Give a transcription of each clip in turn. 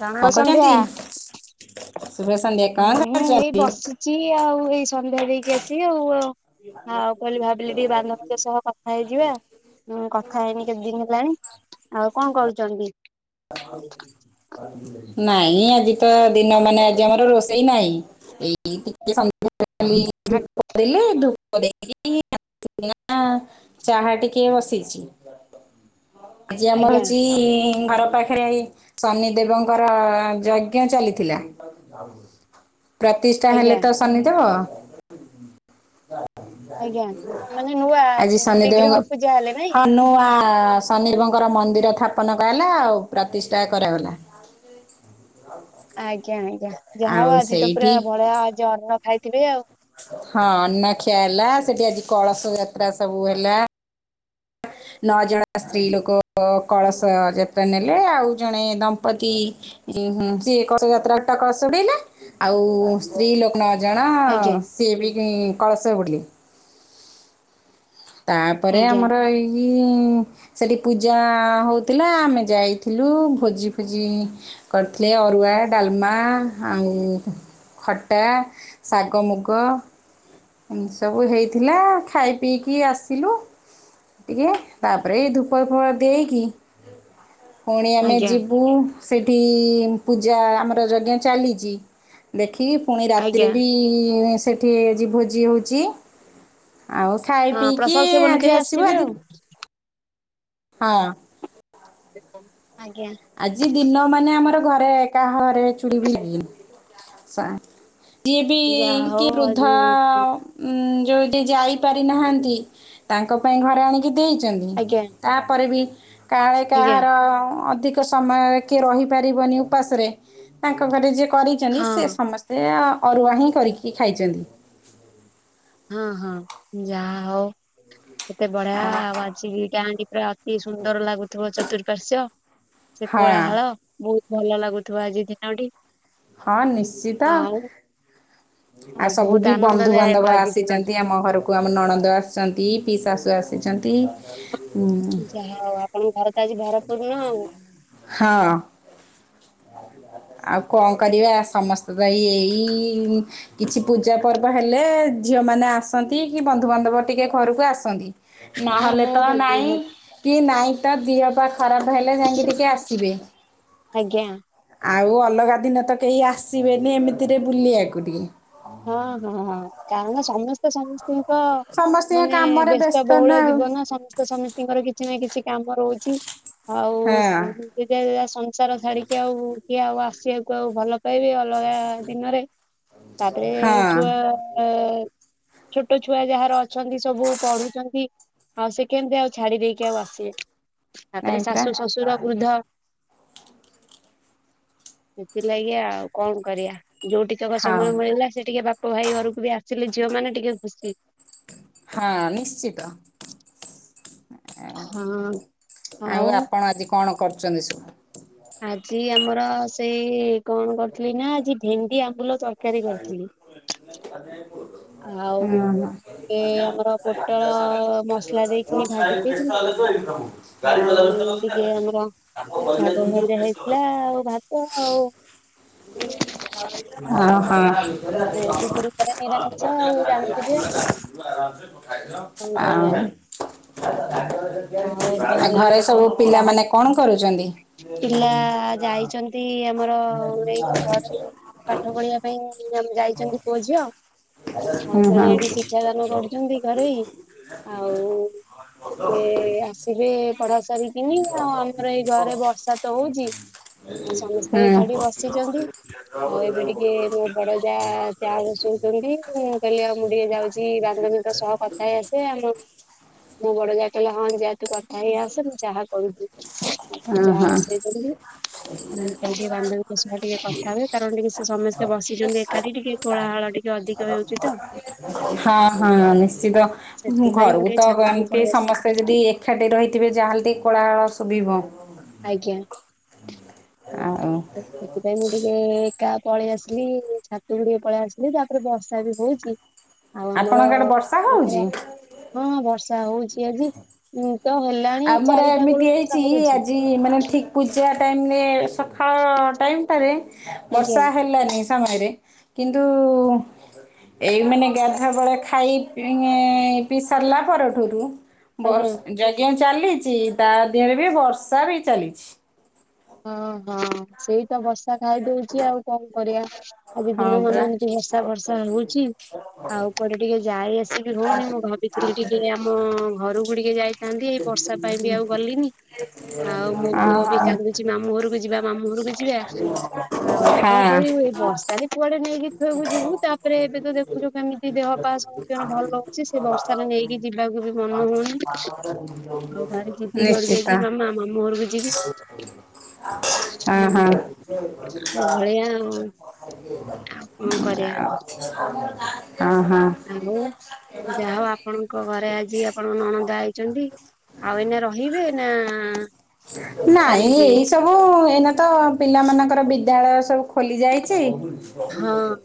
ରାମ କଣ ର ସନ୍ଧ୍ୟା। କରୁଛନ୍ତି? ଶୁଭ ସନ୍ଧ୍ୟା କଣ ହଁ ଏଇ କରୁଛନ୍ତି? ବସିଚି ଆଉ ଏଇ ସନ୍ଧ୍ୟା ଦେଇକି ଆସିିକି ଆଉ। ଆଉ କହିଲି ଭାବିଲି ଟିକେ ବାନ୍ଧବି ଙ୍କ ସହ କଥା ହେଇଯିବା। ହୁଁ କଥା ହେଇନି କେତେ ଦିନ ହେଲାଣି ଆଉ କଣ କରୁଚନ୍ତି? ହ [inaudible] ନାଇଁ ଆଜି ତ ଦିନ ମାନ ଆଜି ଆମର ରୋଷେଇ ନାହିଁ ଏଇ ଟିକେ ସନ୍ଧ୍ୟା। କଲି ଧୂପ ଦେଲି ଧୁ ଧୂପ ଦେଇକି ଆସିକିନା ଚାହା ଟିକେ ବସେଇଛି। ଆଜି ଆମର ଆଜ୍ଞା ହଉଛି। ପାଖରେ ଏଇ ଶନି ଦେବଙ୍କର ଯଜ୍ଞ ଚାଲିଥିଲା। ପ୍ରତିଷ୍ଠା ଆଜ୍ଞା ହେଲେ ତ ଶନିଦେବ। ଆଜ୍ଞା ମାନେ ନୂଆ ଆଜି ବିଗ୍ରହ ଶନିଦେବଙ୍କ ପୂଜା ହେଲେ ନାଇଁ। ହନୁ ଆ ହଁ ଶନିଦେବ ଙ୍କର ମନ୍ଦିର ଥାପନ କରାହେଲା ଆଉ ପ୍ରତିଷ୍ଠା କରାଗଲା। ଆଜ୍ଞା ଆଜ୍ଞା ଯାହା ହଉ ଆଉ ଆଜି ତ ପୁରା ସେଇଠି ବଢିଆ ଅଜୀ ଅନ୍ନ ଖାଇଥିବେ ଆଉ। ହଁ ଅନ୍ନ ଖିଆ ହେଲା ସେଠି ଆଜି କଳସ ଯାତ୍ରା ସବୁ ହେଲା। ନଅ ଜଣ ସ୍ତ୍ରୀ ଲୋକ କଳସ ଯାତ୍ରା ନେଲେ ଆଉ ଜଣେ ଦମ୍ପତି। ଇଁ ହିଁ ସିଏ କଳସ ଯାତ୍ରା ଆଟ ଟା କଳସ ବୁଡ଼େଇଲେ ଆଉ ସ୍ତ୍ରୀ ଲୋକ ନ ଜଣ ଆଜ୍ଞା ସିଏ ବି କଳସ ବୁଡ଼େଇଲେ। ତାପରେ ଆଜ୍ଞା ଆମର ଏଇ। କି ଉଁ ସେଠି ପୂଜା ହଉଥିଲା ଆମେ ଯାଇଥିଲୁ ଭୋଜି ଫୋଜି କରିଥିଲେ ଅରୁଆ ଡାଲମା ଆଉ। ଖଟା ଶାଗ ମୁଗ। ଏମିତି ସବୁ ହେଇଥିଲା ଖାଇ ପିଇକି ଆସିଲୁ। ଟିକେ ତାପରେ ଏଇ ଧୂପ ଫୁପ ଦେଇକି। ଫୁଣି ଆମେ ଆଜ୍ଞା ଯିବୁ ସେଠି। ପୂଜା ଆମର ଯଜ୍ଞ ଚାଲିଛି ଦେଖିକି ପୁଣି ଆଜ୍ଞା ରାତିରେ ବି ସେଠି ଆଜି ଭୋଜି ହଉଛି। ଆଉ ଖାଇ ହଁ ପିଇକି ପ୍ରସାଦ ସେବନ ଆଜି କରି ଆସିବୁ ଆସିବେ ଆଜି ଆଉ। ହଁ। ସେ କ [inaudible] ଆଜି ଦିନ ମାନେ ଆମର ଘରେ କାହା ଘରେ ଚୁୁଲି ବି ଲାଗିନି। ଯିଏ ବି ଯାହା ହଉ କି ବୃଦ୍ଧ ଆଜି ଉଁ। ଯଦି ଯାଇପାରି ନାହାଁନ୍ତି ତାଙ୍କ ପାଇଁ ଘରେ ଆଣିକି ଦେଇଛନ୍ତି ଆଜ୍ଞା ତାପରେ ବି। କାଳେ ଆଜ୍ଞା କାହାର। ଧିକ ସମୟ କିଏ ରହି ପାରିବନି ଉପାସରେ ତାଙ୍କ ଘରେ ଯିଏ। କରିଛନ୍ତି ହଁ। ସେ ସମସ୍ତେ ଅରୁଆ ହିଁ କରିକି ଖାଇଛନ୍ତି। ହଁ ହଁ ଯାହା ହଉ କେତେ ବଢିଆ। ଆଉ [unintelligible] ପୁରା ଅତି ସୁନ୍ଦର ଲାଗୁଥିବ ଚତୁଃପାର୍ଶ୍ଵ। ସେ ହଁ କୋଳାହାଳ। ବହୁତ ଭଲ ଲାଗୁଥିବ ଆଜି ଦିନଟି। ହଁ ନିଶ୍ଚିତ। ଆଉ ଆ ଆଉ ସବୁ ବହୁତ ବି ବନ୍ଧୁବାନ୍ଧବ ଆନନ୍ଦଦାୟକ ଆଜି ଦିନଟି ଆସିଛନ୍ତି ଆମ ଘରକୁ। ଆମ ନଣନ୍ଦ ଆସିଛନ୍ତି ପି ଶାଶୁ ଆସିଛନ୍ତି। ଉଁ ଯାହା ହଉ ଆପଣଙ୍କ ଘର ତ ଆଜି ଭରପୂର୍ଣ ଆଉ। ହଁ ଆଉ କଣ କରିବା ସମସ୍ତେ ତ ଏଇ ଏଇ କିଛି ପୂଜା ପର୍ବ ହେଲେ ଝିଅ ମାନେ ଆସ ନ୍ତି କି ବନ୍ଧୁବାନ୍ଧବ ଟିକେ ଘରକୁ ଆସନ୍ତି। ହଁ ନହେଲେ ହଁ ତ ନାଇଁ ନିହାତି କି ନାଇଁ ତ ଦି ଖରାପ ହେଲେ ଯାଇକି ଟିକେ ଆସିବେ। ଆଜ୍ଞା। ଆଉ ଅଲଗା ଦିନ ତ କେହି ଆସିବେନି ଏମିତିରେ ବୁଲିବାକୁ ଟିକେ। ହଁ ହଁ। କାରଣ ସମସ୍ତେ ସମସ୍ତଙ୍କ ତ ସମସ୍ତିଙ୍କ ମାନେ କାମରେ ବ୍ୟସ୍ତ ବହୁଳ ନା ଆଉ ଜୀବନ। ସମସ୍ତେ ସମସ୍ତିଙ୍କର କିଛି ନା କିଛି କାମ ରହୁ ଚି ଆଉ ହଁ ଯେଝା ଯେଝା ସଂସାର ଛାଡିକି ଆଉ କିଏ ଆଉ ଆସିବାକୁ ଆଉ ଭଲ ପାଇବେ ଅଲଗା ଦିନରେ। ତାପରେ ହଁ ଛୁଆ ଛୋଟ ଛୁଆ ଯାହାର ଅଛନ୍ତି ସବୁ ପଢୁଛନ୍ତି ଆଉ ସେ କେମିତି ଆଉ ଛାଡି ଦେଇକି ଆଉ ଆସିବେ। ତାପରେ ନାଇଁ ପରା ଶାଶୁ ଶଶୁର ବୃଦ୍ଧ। ସେଥିଲାଗି ଆଉ କଣ କରିବା। ଯୋଉ ଟିକକ ସମୟ ହଁ ମିଳିଲା ସେ ଟିକେ ବାପ ଭାଇ ଘରକୁ ବି ଆସିଲେ ଝିଅ ମାନେ ଟିକେ ଖୁସି। ହଁ ନିଶ୍ଚିତ। ଆଉ, ହଁ ଆଉ ଆପଣ ଆଜି କଣ କରୁଚନ୍ତି ସବୁ? ଆଜି ଆମର ସେଇ କଣ କରିଥିଲି ନା ଆଜି ଭେଣ୍ଡି ଆମ୍ବୁଲ ତର ଅ ଆଉ ହଁ। ଏ ଆମର ପୋଟଳ ମସଲା ଦେଇକିନି ଭାଜି ଦେଇଥିଲି। ଆଉ ଟିକେ ଆମର ଶାଗ ଭଜା ହେଇଥିଲା। ଆଉ ଭା। [unintelligible] ଓ ଗୁରୁବାର ନିରାମିଷ ଆଉ ଜାଣିଥିବେ ଆଉ ହୋ। କଣ କରିବା ଆଉ ଆଉ ଏବେ ଆ ଏଇ ଘରେ ସବୁ ପିଲା ଚାହା ମାନେ କଣ କରୁଛନ୍ତି? ପିଲା ଯାଇଛନ୍ତି ଆମର ଏଇ ଘରେ ପାଠ ପଢିବା ପାଇଁ ଯାଇଛନ୍ତି ପୁଅ ଝିଅ। ଆଉ ହୁଁ ହଁ ଜଣେ ଏଠି ହୁଁ ଶିକ୍ଷାଦାନ କରୁଛନ୍ତି ଘରେ। ଆଉ ସେ ଆସିବେ ପଢା ସାରିକିନି ଆଉ ଆମର ଏଇ ଘରେ ବର୍ଷା ତ ହଉଚି ଆଉ ସମସ୍ତେ ହୁଁ ଏକାଠି ବସିଚନ୍ତି। ଆଉ ଏବେ ଟିକେ ମୁଁ ବଡ ଯା ଚା ବସଉଛନ୍ତି। ମୁଁ କହିଲି ଆଉ ମୁଁ ଟିକେ ଯାଉଛି ବାନ୍ଧବୀଙ୍କ ସହ କଥା ହେଇ ଆସେ ଆଉ। ମୋ ବଡ ଜା କହିଲେ ହଁ ଯାହା ତୁ କଥା ହେଇ ଆସେ। ମୁଁ ଚାହା କରୁଚି। ଆ ସେ ହଁ ଚା ବସେଇଚନ୍ତି। ଆ ବାନ୍ଧବୀ ଙ୍କ ସହ ଟିକେ କଥା ହୁଏ କାରଣ ଟିକେ ସେ ସମସ୍ତେ ବସିି ଛନ୍ତି ଏକାଠି ଟିକେ କୋଳାହଳ ଟିକେ ଅଧିକ ହେଉଛି ତ। ହଁ ହଁ ନିଶ୍ଚିତ। ସେଥିପାଇଁ ମୁଁ ଘରକୁ ଟିକେ ତ ଛାତକୁ ଏମିତି ପଳେଇ ଆସିଲି ସମସ୍ତେ ଯଦି ଏକାଠି ର ରହିଥିବେ ଯାହାହେଲେ ଟିକେ କୋଳାହଳ ଶୁଭିବ। ଆଜ୍ଞା। ଆଉ ସେଥିପାଇଁ ମୁଁ ଟିକେ ଏକା ପଳେଇ ଆସିଲି ଛାତୁ ଟିକେ ପଳେଇ ଆସିଲି ତାପରେ ବର୍ଷା ବି ହଉଚି। ଆଉ ଆମର ଆପଣଙ୍କ ଆଡେ ବର୍ଷା ହଉଛି? [unintelligible] ହଁ ବର୍ଷା ହଉଛି ଆଜି। ଉଁ ଆମର ଏମିତି ହେଇଛି ହଉଛି ଆଜି ମାନେ ଠିକ୍ ପୂଜା ଟାଇମରେ ସକାଳ ଟାଇମ ଟାରେ ଆଜ୍ଞା ବର୍ଷା ହେଲାନି। ସମୟରେ କିନ୍ତୁ ଏଇ ମାନେ ଗାଧାବେଳେ ଖାଇ ପିଇ ସାରିଲା ପରଠ ରୁ ଆଜ୍ଞା। ବର୍ଷ ଯଜ୍ଞ ଚାଲିଛି ତା ଦେହରେ ବି ବର୍ଷା ବି ଚାଲିଛି। ହଁ ହଁ ସେଇ ତ ବର୍ଷା ଖାଇଦଉଛି ଆଉ କଣ କରିବା। ଆଜି ହଁ ଦିନ ପରା ମାନେ ଏମିତି ବର୍ଷା ବର୍ଷା ହଉଛି ଆଉ କୁଆଡେ ଟିକେ ଯାଇ ଆସି ସେ ବି ହଉନି ମୁଁ ଭାବିଥିଲି ଟିକେ ଆମ ଘରକୁ ଟିକେ ଯାଇ କାନ୍ଦି ଏଇ ବର୍ଷା ପାଇଁ ବି ଆଉ ଗଲିନି ଆଉ ମୋ ପୁଅ ଓହୋ ବି କାନ୍ଦୁ ଘରକୁ ଯିବା ମାମୁଁ ଘରକୁ ଯିବା ଆଉ କଣ ହଁ କରିବୁ ଏ ବର୍ଷାରେ କୁଆଡେ ନେଇକି ଦେଖିବାକୁ ଯିବୁ ତାପରେ ଏବେ ତ ଦେଖୁଛୁ କେମିତି ଦେହ ପା ସମସ୍ତିଙ୍କର ଭଲ ରହୁଛି ସେ ବର୍ଷାରେ ନେଇକି ଯିବାକୁ ବି ମନ ହଉନି ଆଉ ଭାରି ଯିଦି ନିଶ୍ଚିତ କରିକି ଆ ମାମା ମାମୁଁ ଘରକୁ ଯିବି। ହଁ ଏଭଳିଆ ହଁ। ଆଉ କଣ କରିବା? ହଁ ହଁ। ଆଉ ଯାହା ଆପଣଙ୍କ ଘରେ ଆଜି ଆପଣ ନଣନ୍ଦା ଆଇଛନ୍ତି। ଆଉ ଏଇନା ରହିବେ? ନା ନାଇଁ ଚାଲିଯିବେ ଏଇ ସବୁ ଏଇନା ତ ପିଲା ମାନଙ୍କର ବିଦ୍ୟାଳୟ ସବୁ ଖୋଲି ଯାଇଚି। [unintelligible] ହଁ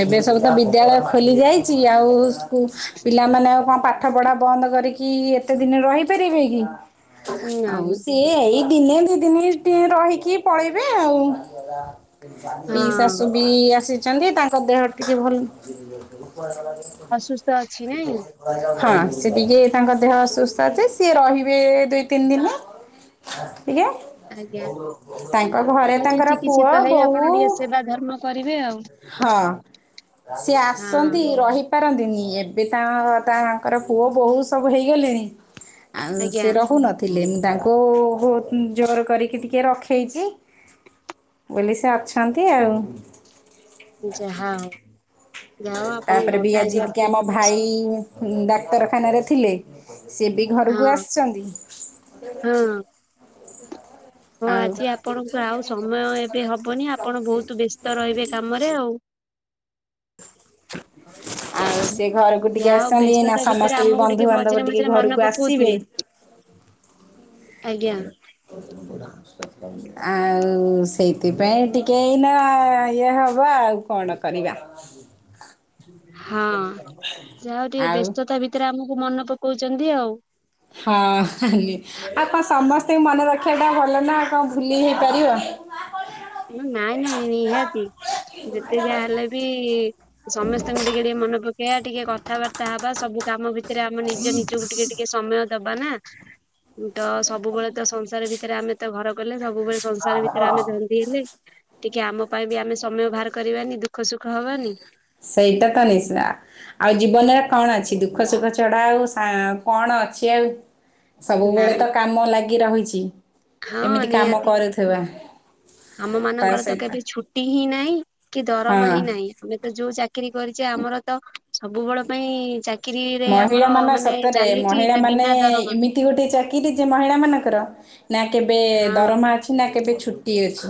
ଏବେ ସବୁ ତ ବିଦ୍ୟାଳୟ ଖୋଲି ଯାଇଚି। ଆଉ ସ୍କୁଲ୍ ପିଲାମାନେ ପାଠ ପାଠ ପଢ଼ା ବନ୍ଦ କରିକି ଏତେ ଦିନ ରହିପାରିବେ କି? ଆଉ ନାଇଁ ସିଏ ଏଇ ଦିନେ ଦି ଦିନି ଟିକେ ରହିକି ପଳେଇବେ ଆଉ ପି ଶାଶୁ ହଁ ବି ଆସିଚନ୍ତି ତାଙ୍କ ଦେହ ଟିକେ ଭଲ ଅସୁସ୍ଥ ଅଛି ନାଇଁ [unintelligible] ହଁ ସେ ଟିକେ ତାଙ୍କ ଦେହ ଅସୁସ୍ଥ ଅଛି ସିଏ ରହିବେ ଦୁଇ ତିନି ଦିନି। ଆଜ୍ଞା? ଆଜ୍ଞା ତାଙ୍କ ଘରେ ଆଉ ଟିକେ ତାଙ୍କର ପୁଅ, ଚିକିତ୍ସିତ ହେଇ ଆପଣ ବୋହୂ ଟିକେ ସେବା ଧର୍ମ କରିବେ ଆଉ ହଁ ସିଏ ହଁ ଆସନ୍ତି ରହି ପାରନ୍ତିନି ଏବେ ତାଙ୍କ ଘରେ ତ ତାଙ୍କର ପୁଅ ବୋହୂ ସବୁ ହେଇଗଲେଣି। ଆଉ ସେ ଆଜ୍ଞା ରହୁ ନଥିଲେ? ତାଙ୍କୁ ବୋହୁତ୍ ଯୋର୍ କରିକି ଟିକେ ରଖେଇଚି। ମୁଁ କହିଲି ସେ ଅଛନ୍ତି ଆଉ। ଯାହା ହଉ। ଯାହା ହଉ ଆପଣଙ୍କ ତାପରେ ବି ଘରଟା ଆଜି ଟିକେ ଅତ୍ୟନ୍ତ ଆମ ଖୁସି ଭାଇ ଡାକ୍ତର ଖାନାରେ ଥିଲେ। ସେ ବି ଘରକୁ ହଁ ଆସିଚନ୍ତି। ହଁ ଆଜି ଆପଣଙ୍କୁ ଆଉ ସମୟ ଏବେ ହବନି ଆପଣ ବୋହୁତ୍ ବ୍ୟସ୍ତ ରହିବେ କାମରେ ଆଉ। ଆଉ ସେ [unintelligible] ଘରକୁ ଟିକେ ଯାହା ହୋଉ ଆସିଛନ୍ତି ନା ବ୍ୟସ୍ତତା ଭିତେରେ ସମସ୍ତେ ବି ଆମକୁ ଟିକେ ବନ୍ଧୁବାନ୍ଧବ ମଝିରେ ଟିକେ ମଝିରେ ମନେ ଘରକୁ ଆସିବେ ପକୋଉଥିବେ? ଆଜ୍ଞା। ଆଉ ସେଇଥିପାଇଁ ଟିକେ ଏଇନା ଇଏ ହବା ଆଉ କଣ କରିବା? ହଁ ଯାହା ହୋଉ ଟିକେ ଆଉ ବ୍ୟସ୍ତତା ଭିତରେ ଆମକୁ ମନେ ପକୋଉଚନ୍ତି ଆଉ। ହଁ ଖାଲି ଆଉ କଣ ସମସ୍ତଙ୍କୁ ମନେ ରଖିବା ଟା ଭଲ ନା କଣ ଭୁଲି ହେଇପାରିବ? ନାଇଁ ନାଇଁ ନିହାତି। ଯେତେ ଯାହା ହେଲେ ବି ସମେସ୍ତଙ୍କୁ ଟିକେ ଟିକେ ମନେ ପକେଇବା ଟିକେ କଥାବାର୍ତ୍ତା ହବା ସବୁ କାମ ଭିତରେ ସେଥିରେ ଆମେ ଆମ ନିଜ ନିଜକୁ ଟିକେ ଟିକେ ସମୟ ଦବା ନା? ତ ସବୁବେଳେ ତ ସଂସାର ଭିତରେ ଆମେ ତ ଘର କଲେ ସବୁବେଳେ ସଂସାର ଭିତରେ ଆମେ ଧରି ଟିକେ ଆମ ପାଇଁ ବି ଆମେ ସମୟ ବାହାର କରିବାନି ଦୁଃଖ ସୁଖ ହବାନି ସେଇଟା ତ ନିଶି ନା? ଆଉ ଜୀବନରେ କଣ ଅଛି ଦୁଃଖ ସୁଖ ଛଡ଼ା ଆଉ ହଁ କଣ ଅଛି ଆଉ? ସବୁବେଳେ ନାଇଁ ତ କାମ ଲାଗି ରହିଚି। ହଁ ଏମିତି କାମ ନିହାତି କରୁଥିବା। ଆମ ତା ମାନଙ୍କର ତ ସହିତ କେବେ ଛୁଟି ହିଁ ନାହିଁ କି ହଁ ଦରମା ହିଁ ନାହିଁ ଆମେ ଯୋଉ ଚାକିରୀ କରିଚେ ଆମର ତ ସବୁବେଳ ପାଇଁ ଚାକିରି। ମହିଳା ମାନେ ସତରେ ମହିଳା ନା ମାନେ ବିନା ଦରମା ଏମିତି ଗୋଟେ ଚାକିରି ଯେ ମହିଳା ମାନଙ୍କର ନା କେବେ ହଁ ଦରମା ଅଛି ନା କେବେ ଛୁଟି ଅଛି?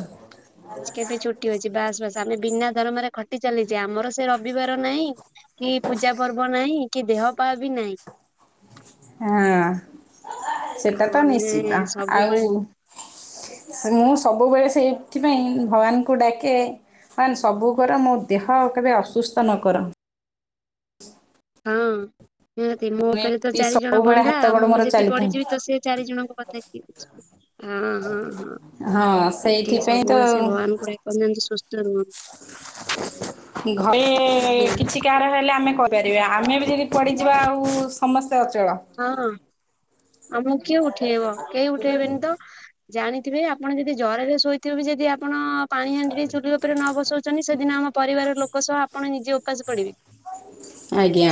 କେବେ ଛୁଟି ଅଛି। ବାସ୍ ବାସ୍ ଆମେ ବିନା ଦରମାରେ ଖଟି ଚାଲିଚେ ଆମର ସେ ରବିବାର ନାହିଁ। କି ପୂଜା ପର୍ବ ନାହିଁ କି ଦେହ ପା ବି ନାହିଁ। ହଁ ସେଟା ଆଉ ତ ଆମେ ନିଶ୍ଚିତ ଆଉ ସବୁବେଳେ ମୁଁ ସବୁବେଳେ ସେଇଥିପାଇଁ ଭଗବାନଙ୍କୁ ଡାକେ ବାନ୍ ସବୁ କର ମୋ ଦେହ କେବେ ଅସୁସ୍ଥ ନ କର। ହୁଁ। ନିହାତି ମୋ ଉପରେ ତ ଏମିତି ଚାରି ଜଣ ସବୁବେଳେ ବନ୍ଧା ହାତ ଗୋଡ ମୁଁ ମୋର ଯଦି ଚାଲିଥାଏ ପଡ଼ିଯିବି ତ ସେ ଚାରି ଜଣଙ୍କ କଥା କିଏ ବୁଝିବ? ହଁ ହଁ ହଁ ହଁ ଠିକ୍ ଠିକ୍ ସେଇଥିପାଇଁ ତ ସବୁବେଳେ ସେ ଭଗବାନଙ୍କୁ ଡାକନ୍ତୁ ଯେମିତି ସୁସ୍ଥ ରୁହନ୍ତୁ। [unintelligible] ଘରେ ଆଜ୍ଞା କିଛି କାହାର ହେଲେ ଆମେ କଣ କରିବା ଆମେ ବି [unintelligible] ପଡ଼ିଯିବା ଆଉ ସମସ୍ତେ ଅଚଳ। ହଁ ଆମକୁ କିଏ ଉଠେଇବ? କେହି ଉଠେଇବେନି ତ ଜାଣିଥିବେ ଆପଣ ଯଦି ଜରରେ ଶୋଇଥିବେ ଯଦି ଆପଣ ପାଣି ହାଣ୍ଡି ଚୁଲି ଉପରେ ନ ବସଉଛନ୍ତି ସେଦିନ ଆମ ପରିବାର ଲୋକ ସହ ଆପଣ ନିଜେ ଉପାସ ପଡିବେ। ଆଜ୍ଞା।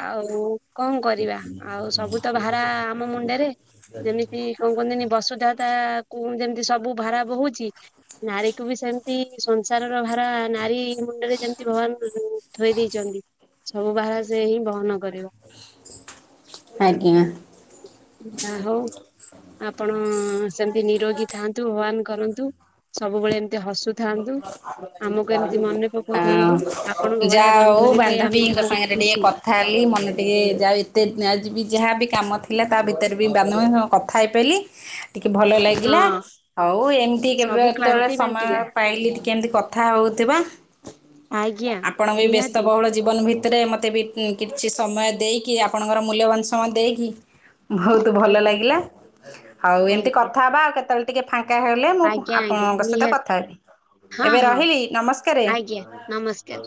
ଆଉ କଣ କରିବା ଆଉ ସବୁ ତ ଭାରା ଆମ ମୁଣ୍ଡରେ ଯେମିତି କହନ୍ତିନି ବସୁଧା ତା କୁ ଯେମିତି ସବୁ ଭାରା ବହୁଛି ନାରୀକୁ ବି ସେମିତି ସଂସାରର ଭାରା ନାରୀ ମୁଣ୍ଡରେ ଯେମିତି ଭଗବାନ ଥୋଇ ଦେଇଛନ୍ତି ସବୁ ବାହାର ସେ ହିଁ ବହନ କରିବ। ଆଜ୍ଞା। ଯା ହଉ ଆପଣ ସେମତି ନିରୋଗୀ ଥାଆନ୍ତୁ ହଗବାନ କରନ୍ତୁ ସବୁବେଳେ [unintelligible] ହସୁଥାନ୍ତୁ ଆମକୁ ଏମିତି ମନେ ଆଁ ପକଉଥାନ୍ତୁ। ଆପଣଙ୍କ ଯା ଭଳିଆ ଯୋଉ ବାନ୍ଧବୀ ପାଇଁ ବାନ୍ଧଵୀ ଆମେ ବି ତମ ବହୁତ ସାଙ୍ଗରେ ଟିକେ ଖୁସି କଥା ହେଲି ମନେ ଟିକେ ଯାଉ ଏତେ ଯିବି ଯାହାବି କାମ ଥିଲା ତା ଭିତରେ ବି କାମ କଥା ହେଇପାରିଲି। ଟିକେ ଭଲ ଲାଗିଲା ହଁ ଆଉ ଏମିତି କେବେ ସବୁ କେତେବେଳେ କ୍ଳାନ୍ତି ସମୟ ମେଣ୍ଟିଲା [unintelligible] କେମିତି କଥା ହଉଥିବା ଆଜ୍ଞା ଆପଣ ବି ନିହାତି। ବ୍ୟସ୍ତବହୁଳ ଜୀବନ ଭିତ ରେ ମୋତେ ବି କିଛି ସମୟ ଦେଇକି ଆପଣଙ୍କର ମୂଲ୍ୟବାନ ସମୟ ଦେଇକି ବହୁତ ଭଲ ଆଜ୍ଞା ଲାଗିଲା ଆଉ ଏମିତି ଆଜ୍ଞା କଥା ହବା ଆଉ କେତେବେଳେ ଟିକେ ଫାଙ୍କ ଫାଙ୍କା ହେଲେ ମୁଁ ଆଜ୍ଞା ଆଜ୍ଞା ଆପଣଙ୍କ ସହିତ ନିହାତି କଥା ହେବି। ହଁ ଏବେ ହଁ ରହିଲି ନମସ୍କାରେ [inaudible] ଆଜ୍ଞା ନମସ୍କାର।